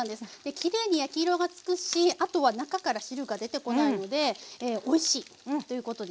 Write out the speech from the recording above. きれいに焼き色がつくしあとは中から汁が出てこないのでおいしいということですね。